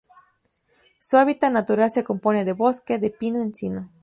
Su hábitat natural se compone de bosque de pino-encino.